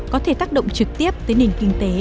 có thể tác động trực tiếp tới nền kinh tế